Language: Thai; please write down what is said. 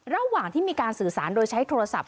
ระหว่างที่มีการสื่อสารโดยใช้โทรศัพท์